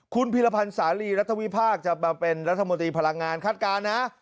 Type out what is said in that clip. คุณพิรพันธ์สาลีรัฐวิพากษ์จะมาเป็นรัฐมนตรีพลังงานคาดการณ์นะ